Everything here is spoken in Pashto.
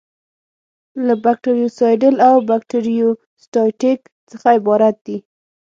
له بکټریوسایډل او بکټریوسټاټیک څخه عبارت دي.